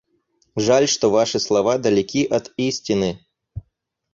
Жаль, что ваши слова далеки от истины.